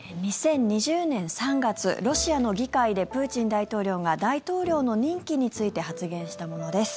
２０２０年３月ロシアの議会でプーチン大統領が大統領の任期について発言したものです。